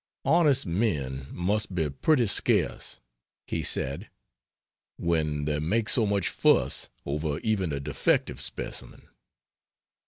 "Honest men must be pretty scarce," he said, "when they make so much fuss over even a defective specimen."